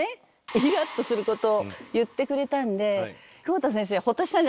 イラッとすること言ってくれたんで久保田先生ほっとしたんじゃないですか？